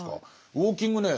ウォーキングね